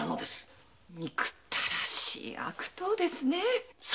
憎たらしい悪党ですね。